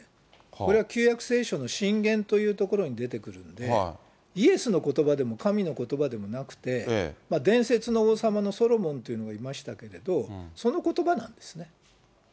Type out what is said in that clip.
これは旧約聖書のしんげんというところに出てくるんで、イエスのことばでも神のことばでもなくて、伝説の王様のソロモンというのがいましたけれども、そのことばなんですね。